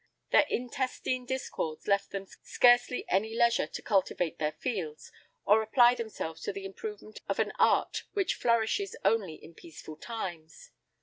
Their intestine discords left them scarcely any leisure to cultivate their fields, or apply themselves to the improvement of an art which flourishes only in peaceful times.